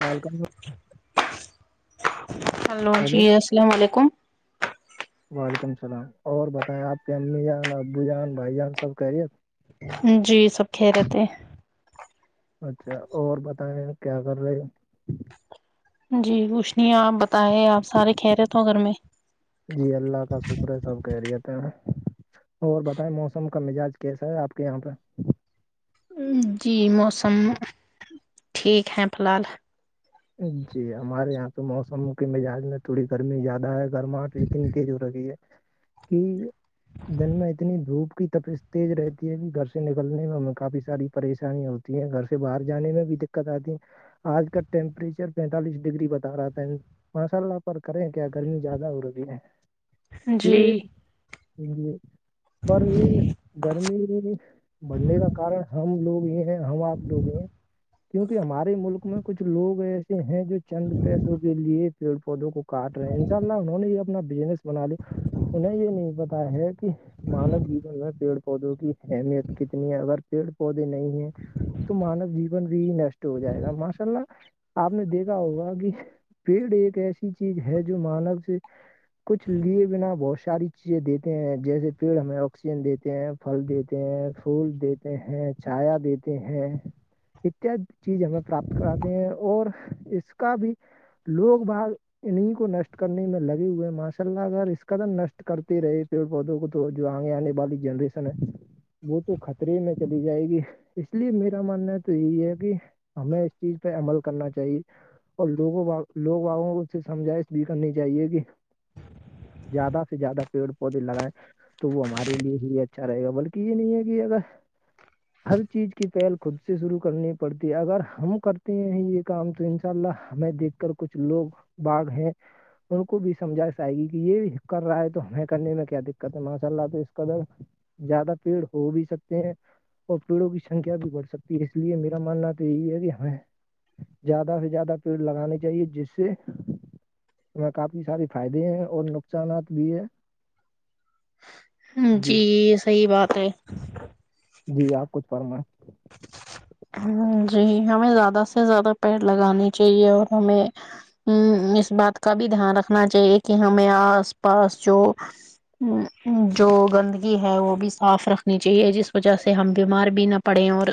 وعلکم hello hello جی السلام علیکم [unintelligible] وعلیکم السلام اور بتائیں آپ کے امی جان ابو جان بھائی جان سب کہہ رہی ہے جی سب کہ رہےتے ہیں اچھا اور بتائیں کیا کر رہے جی کچھ نہیں آپ بتائے آپ سارے کہہ رہے تھ ہو گھر میں جی اللہ کا شکر ہے سب خیریت ہے اور بتائیں موسم کا مزاج کیسا ہے آپ کے یہاں پہ جی موسم ٹھیک ہیں فی الحال جی ہمارے یہاں تو موسم کے مزاج میں تھوڑی گرمی زیادہ ہے گرماہٹ اتنی تیز ہو رہی ہے کہ دن میں اتنی دھوپ کی تس تیز رہتی ہے کہ گھر سے نکلنے میں ہمیں کافی ساری پریشانییاں ہوتی گھر سے باہر جانے میں بھی دقت آتی ہے آج ک ٹیمپریچر پینتالیس ڈگری بتا رہا تھا ہے ماشاء اللہ پر کریں کیا گرمی زیادہ ہو رہی ہے یہ جی پر یہ گرمی بڑھنے کا کن ہم لوگ یہ ہم آپ ڈوبے ہیں کیونکہ ہمارے ملک میں کچھ لوگ ایسے ہیں جو چند پیسوں کے لیے پیڑ پودوں کو کاٹ رہے ہیں ان شاء اللہ انہوں نے یہ اپنا بزنس بنا ل انہیں یہ نہیں پتا ہے کہ مانو جیون میں پیڑ پودوں کی اہمیت کتنی ہے اگر پیڑ پودے نہیں ہیں تو مانو جیون بھی نشٹ ہو جائے گا م چلنا آپ نے دیکھا ہوگا کہ پیڑ ایک ایسی چیز ہے جو مانک سے کچھ لیے بنا بہت ساری چیزیں دیتے ہیں جیسے پیڑ ہمیں آکسیجن دیتے ہیں پھل دیتے ہیں پھول دیتے ہیں چایا دیتے ہیں اتد چیز ہمیں پراپت کراتے ہیں اور اس کا بھی لوگ بھاگ انہیں کو نشٹ کرنے میں لگے ہوئے ہیں ماشاء اللہ اگر اس قدم نشٹ کرتے رہے پیڑ پودوں کو تو جو آگے آنے والی جنریشن ہے وہ تو خطرے میں چلی جائے گی اس لیے میرا ماننا تو یہی ہے کہ ہمیں چیز پہ عمل کرنا چاہیے اور لوگوں لوگگوں سے سمجائش بھی کرنی چاہیے گ زیادہ سے زیادہ پیڑ پودے لگائےیں تو وہ ہمارے لیے ہی اچھا رہے گا بلکہ یہ نہیں ہے کہ اگر ہر چیز کی پہل خود سے شروع کرنی پڑتی ہے اگر ہم کرتے ہیں یہ کام تو ان شاء اللہ ہمیں دیکھ کر کچھ لوگ باغ ہیں ان کو بھی سمجھا جائے گی کہ یہ کر رہا ہے تو ہمیں کرنے میں کیا دقت ہے ماشاء اللہ تو اس قدر زیادہ پیڑ ہو بھی سکتے ہیں اور پیڑوں کی سنکھیا بھی بڑھ سکتی ہے اس لیے میرا ماننا تو یہی ہے کہ ہمیں زیادہ سے زیادہ پیڑ لگانے چاہیے جس سے میں کافی سارے فائدے ہیں اور نقصانات بھی ہے جی یہ صحیح بات ہے جی آپ کچھ فرمائیں ہ جی ہمیں زیادہ سے زیادہ پیڑ لگانے چاہیے اور ہمیں ہ اس بات کا بھی دھیان رکھنا چاہیے کہ ہمیں آس پاس جو جو گندگی ہے وہ بھی صاف رکھنی چاہیے جس وجہ سے ہم بیمار بھی نہ پڑیں اور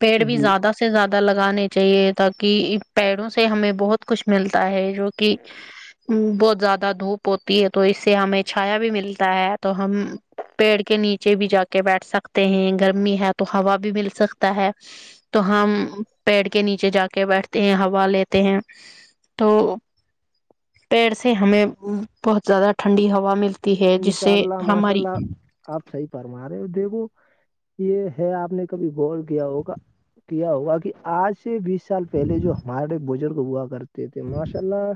پیڑ بھی جی زیاد سے زیادہ لگانے چاہیے تاکہ پیڑوں سے ہمیں بہت کچھ ملتا ہے جو کہ ہ بہت زیادہ دھوپ ہوتی ہے تو اس سے ہمیں چھایا بھی ملتا ہے تو ہم پیڑ کے نیچے بھی جا کے بیٹھ سکتے ہیں گرمی ہے تو ہوا بھی مل سکتا ہے تو ہم پیڑ کے نیچے جا کے بیٹھتے ہیں ہوا لیتے ہیں تو پیڑ سے ہمیں بہت زیادہ ٹھنڈی ہوا ملتی ہے جس انشاء سے اللہ ماشاء ہماری اللہ آپ صحیح فرما رہے ہو دیکھو یہ ہے آپ نے کبھی گور کیا ہوگا کیا ہوگا کہ آج سے بیس سال پہلے جو ہمارے بزرگ ہوا کرتے تھے ماشاء اللہ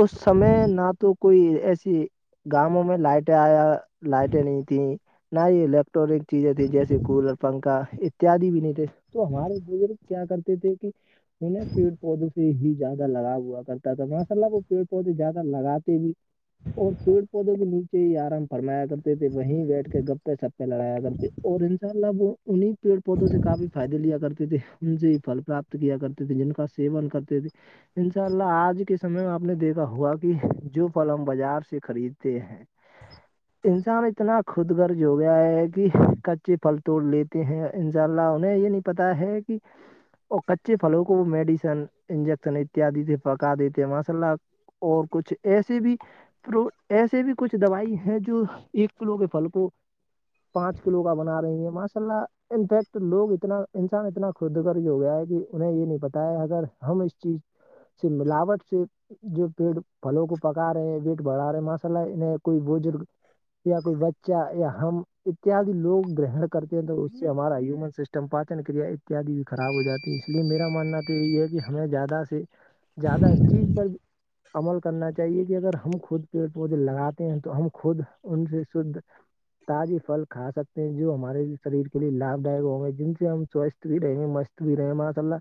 اس سمے نہ تو کوئی ایسی گؤوں میں لائٹ آیا لائٹیں نہیں تھیں نہ ہی الیکٹرانک چیزیں تھیں جیسے کولر پنکھا اتد بھی نہیں تھے تو ہمارے بزرگ کیا کرتے تھے کہ انیں پیڑ پودوں سے ہی زیادہ لگا ہوا کرتا تھا ماشاء اللہ وہ پیڑ پودے زیادہ لگاتے بھی اور پیڑ پودوں کے نیچے ہی آرام فرمایا کرتے تھے وہیں بیٹھ کے گپے سپے لڑایا کرتےے اور انشاء اللہ وہ انیں پیڑ پودوں سے کافی فائدے لیا کرتے تھے ان سے ہی فل پراپت کیا کرتے تھے جن کا سیون کرتے تھے انشاء اللہ آج کے سمے میں آپ نے دیکھا ہوا کہ جو پھل ہم بازار سے خریدتے ہیں انسان اتنا خود گرج ہو گیا ہے کہ کچے پھل توڑ لیتے ہیں انشاء اللہ انہیں یہ نہیں پتا ہے کہ اور کچے پھلوں کو وہ میڈیسن انجیکشن اتیادی سے پکا دیتے ہیں ماشاء اللہ اور کچھ ایسے بھی پرو ایسے بھی کچھ دوائی ہیں جو ایک کلو کے پھل کو پانچ کلو کا بنا رہے ہیں ماشاء اللہ انفیکٹ لوگ اتنا انسان اتنا خد گر ہو گیا ہے کہ انہیں یہ نہیں پتاہ ہے اگر ہم اس چیز سے ملاوٹ سے جو پیڑ پلوں کو پکا رہے ہیں ویٹ بڑھا رہے م سل کوئی بزرگ یا کوئی بچہ یا ہم اتیاد لوگ گرہن کرتے ہیں تو اس سے ہمارا ہیومن سسٹم چمپاچن کریا اتیاد بھی خراب ہو جاتی ہے اس لیے میرا ماننا تو یہی ہے کہ ہمیں زیادہ سے زیادہ اس چیز پر عمل کرنا چاہیے کہ اگر ہم خود پیٹ پودے لگاتے ہیں تو ہم خود ان سے شھ تازی پھل کھا سکتے ہیں جو ہمارے شریر کے لیے لابھ دائ ہوں گے جن سے ہم سوستھ بھی رہیں گے مست تو رہے ماس ال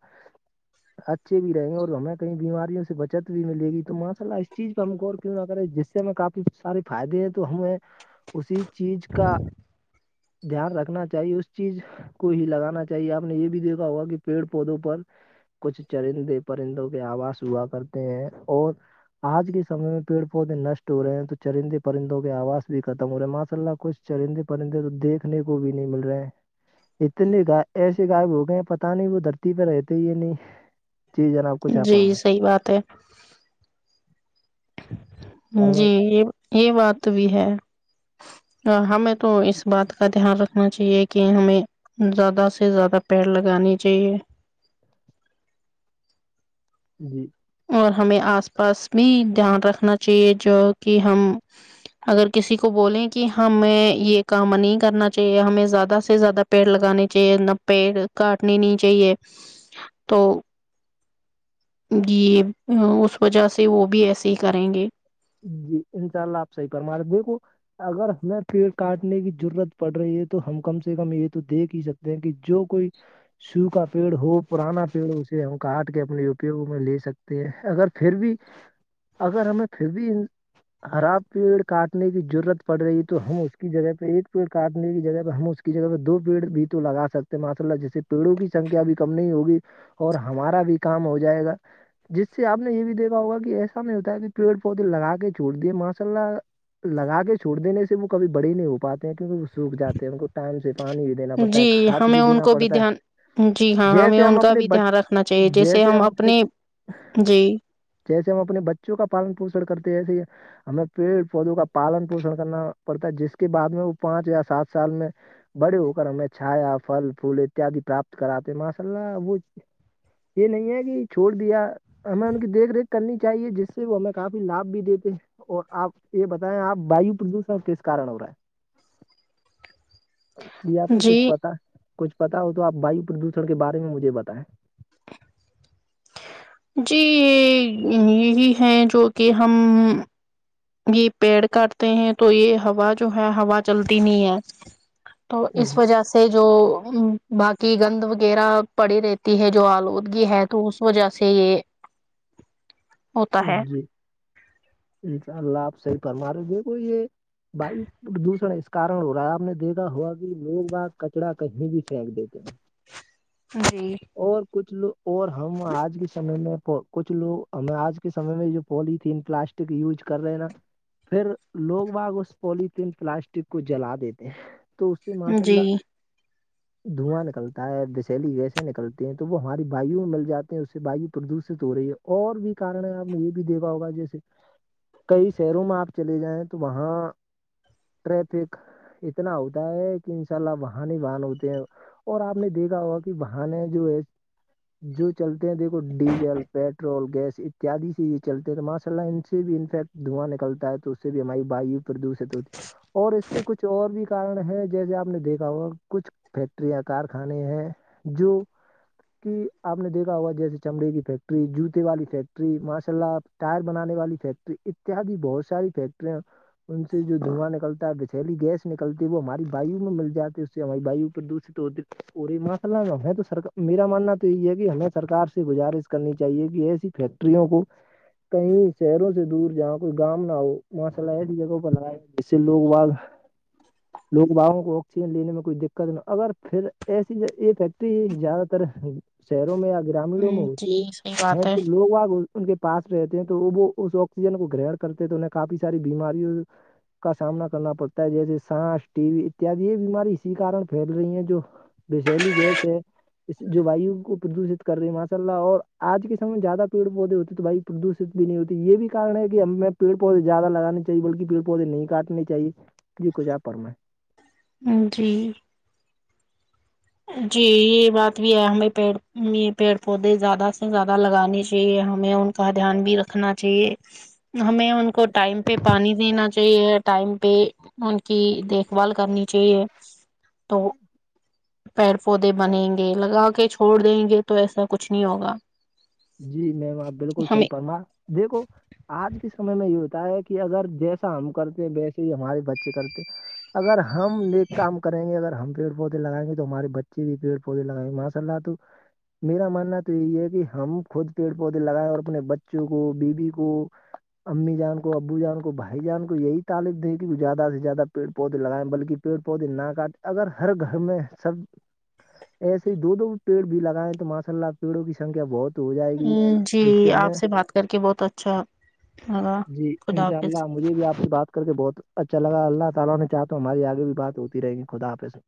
اچھے بھی رہیں گے اور ہمیں کیں بیماریوں سے بچت بھی ملے گی تو ماشا اللہ اس چیز کا ہم ور کیوں اگر جی کافی سارے فائدے ہیں تو ہمیں اسی چیز کا دھیان رکھنا چاہیے اس چیز کو ہی لگانا چاہیے آپ نے یہ بھی دیکھا ہوگا کہ پیڑ پودوں پر کچھ چرندے پرندوں کے آواز ہوا کرتے ہیں اور آج کےمے میں پیڑ پودے نشٹ ہو رہے ہیں تو چرندے پرندوں کے آواز بھی ختم ہو رہے ہیں ماشاء اللہ کچھ چرندے پرندے تو دیکھ سکھنے کو بھی نہیں مل رہا اتنے گ ایسے گائب ہو گئے ہیں پتا نہیں وہ دھرتی پہ رہتے یہ نہیں جی جناب کو جی صحی بات ہے فرمائیں جی یہ یہ بات بھی ہے ہمیں تو اس بات کا دھیان رکھنا چاہیے کہ ہمیں زیادہ سے زیادہ پیڑ لگانانی چاہیے جی اور ہمیں آس پاس بھی دھیان رکھنا چاہیے جو کہ ہم اگر کسی کو بولیں کہ ہمیں یہ کام نہیں کرنا چاہیے ہمیں زیادہ سے زیادہ پیڑ لگانے چاہیے نہ پیڑ کاٹنے نہیں چاہیے تو ج اس وجہ سے وہ بھی ایسے ہی کریں گے جی انشاء اللہ آپ صحی پر مارے دیکھو اگر ہمیں پیڑ کاٹنے کی ضرورت پڑ رہی ہے تو ہم کم سے کم یہ تو دیکھ ہی سکتے دیں کی جو کوئی سو کا پیڑ ہو پرانا پیڑ اسے ہم کاٹ کے اپنے اپیوگ میں لے سکتے اگر پھر بھی اگر ہمیں پھر بھی خر آاب پیڑ کاٹنے کی ضرورت پڑ رہی ہے تو ہم اس کی جگہ پہ ایک پیڑ کاٹنے کی جگہ پہ ہم اس جگہ میں دو پیڑ بھی تو لگا سکتے ہیں ماشاء اللہ جیسے پیڑوں کی سکھیا بھی کم نہیں ہوگی اور ہمارا بھی کام ہو جائے گا جس سے آپ نے یہ بھی دیکھا ہوگا کہ ایسا نہیں ہوتا ہے کہ پ پودے لگا کے چھو دیے ماشاء اللہ لگا کے چھوڑ دینے سے وہ کبھی بڑے نہیں ہو پاتے ہیں کیونہ وہ سوکھ جاتے ہیں ان کو ٹائم سے پانی دینا پڑتا ہے جی کھاد ہمیں ان دینا کو بھی پڑتا ہے دھیان جی ہاں ہمیں جیسے ہم ان کا اپنے بھی بچ دھیان رکھنا چاہیے جیسے ہم اپنے جی جیسے ہم اپنے بچوں کا پالن پوشن کرتے ہیں ایسے ہمیں پیڑ پودوں کا پالن پوشن کرنا پڑتا ہے جس کے بعد میں وہ پانچ یا سات سال میں بڑے ہو کر ہمیں چھایا فل فھول اتیاد پراپت کراتے ماشاء اللہ وہ یہ نہیں ہے کہ چھوڑ دیا ہمیں ان کی دیکھ ریکھ کرنی چاہیے جس وہ ہمیں کافی لابھ بھی دیتے اور آپ یہ بتائیں آپ وایو پردوشن کس کارن ہو رہا ہے جی آپ کو کچھ پتا کچھ پتا ہو تو آپ باائیو پردشڑ کے بارے میں مجھے بتائیں جی یہ یہی ہے جو کہ ہم یہ پیڑ کاٹتے ہیں تو یہ ہا جو ہے ہوا چلتی نہیں ہے تو اس جی وجہ سے سے جو باقی گند وغیرہ پڑی رہتی ہے جو آلودگی ہے تو اس وجہ سے یہ ہوتا ہ ہے جی انشاء اللہ آپ صحیح فرما رہےیے کوئی یہ وایو پردوشن اس کارن ہو رہا ہے آپ نے دیکھا ہوا کہ لوگ آپ کچڑا کہیں بھی پھینک دیتے ہیں [unintelligible] جی اور کچھ لوگ اور ہم آج کے سمے میں کچھ لوگ ہمیں آج کے سے میں جو پولیتھیین پلاسٹک یوز کر رہے ہیں نا پھر لوگ وگ اس پولیتھیین پلاسٹک کو جلا دیتے ہیں تو اس سے ماشاء جی اللہ دھواں نکلتا ہے دسیلی گیسے نکلتی ہیں تو وہ ہماری وایو مل جاتی ہیں اس سے واو پردوشت ہو رہی ہے اور بھی کارن ہے آپ نے یہ بھی دیکھا ہوگا جیسے کئی شہروں میں آپ چلے جائیں تو وہاں ٹریفک اتنا ہوتا ہے کہ ان شاء اللہ وہن ہی بن ہوتے ہیں اور آپ نے دیکھا ہوا کہ بہان جو ہے جو چلتے ہیں دیکھو ڈیزل پیٹرول گیس ایادی سی چلتے ہیں تو ماشاء اللہ ان سے بھی انفیکٹ دھواں نکلتا ہے تو اس سے بھی ہماری واو پردوشت ہوتی ہے اور اس کے کچھ اور بھی کار ہے جیسے آپ نے دیکھا ہوا کچھ فیکٹریاں کارخانے ہیں جو کہ آپ نے دیکھا ہوگا جیسے چمڑے کی فیکٹری جوتے والی فیکٹری فری ماشاء اللہ ٹائر بنان والی فیکٹری اتیادی بہت ساری فیکٹرییاں ان سے جو دھواں نکلتا ہے بچھیلی گیس نکلتی ہے وہ ہماری واو میں مل جاتی ہے اس سے ہماری وایو پردوشت ہوتی پوری مسئلہ ہمیں تو سرک میرا ماننا تو یہ ہے کہ ہمیں سرار سے گزارش کرنی چاہیے کہ ایسی ف کو کہیں شہروں سے دور جاؤ کوئی گم نہ ہو ماشلہ جگہ پریا جیسے لوگ وہ لوگ باگوں کو آکسیجن لینے میں کوئی دقت اگر پھر ایسی یہ فیکٹری زیادہ تر شہروں میں یا گرامینوں میں ہوتی جی صحیح ہے بات تو لوگ آپ وہ ان کے پاس رہتے ہیں تو وہ اس آکسیجن کو گرن کرتے ہیں تو انہیں کافی ساری بیماریوں کا سامنا کرنا پڑتا ہے جیسے سانس ٹی وی اتیاد یہ بیماری اسی کارن پھیل رہی ہے جو بی سیلی گس ہے جو واو کو پردوشت کر رہی ہے ماشاء اللہ اور آج کے سمے میں زیادہ پڑ پودے ہوتے تو بھائی پردوشت بھی نہیں ہوتی یہ بھی کن ہے کہ ہم میں پیڑ پودے زیادہ لگانے چاہیے بلکہ پیڑ پودے نہیں کاٹنے چاہے کچھپ پرم جی جی یہ بات بھی ہے ہمیں پیڑ پیڑ پودے زیادہ سے زیادہ لگانے چاہیے ہمیں کا دھیان بھی رکھنا چاہیے ہمیں ان کو ٹائم پہ پانی دینا چاہیے ٹائم پہ ان کی دیک دیکھ بال کرنی چاہیے تو پیڑ پودے بنیں گے لگا کے چھوڑ دیں گے تو ایسا کچھ نہیں ہوگا جی میں وہاں بالکل صحیح ہمیں پرما دیکھو آج کے سمے میں یہ ہوتا ہے کہ اگر جیسا ہم کرتے ویسے ہی ہمارے بچے کرتے اگر ہم ل کام کریں گے اگر ہم پیڑ پودے لگیں گے تو ہمے بچے بھی پیڑ پودے لگائیںے ماشا اللہ تو میرا ماننا تو یہی ہے کہ ہم خود پیڑ پودے لگائے اور اپنے بچوں کو بی بیی کو امی جان کو ابو جان کو بھائی جان کو یہی تعالیف دے کہ زیادہ سے زیادہ پیڑ پودے لگائیں بلکہ پیڑ پودے نہ کاٹے اگر ہر گھر میں سب ایسے ہی دو پڑ بھی لگائےیں تو ماشاء اللہ پیڑوں کی سکھیا بہت ہو جائے گی ہاں جی جس آپ ہمیں سے بات کر کے بہت اچھا لگا جی خدا انشاء حافظ اللہ مجھے بھی آپ سے بات کر کے بہت اللہ تعالی نے چاہا تو ہماری اگے بھی بات ہوتی رہے گی خدا حافظ